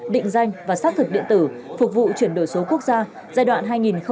định danh và xác thực điện tử phục vụ chuyển đổi số quốc gia giai đoạn hai nghìn hai mươi một hai nghìn hai mươi năm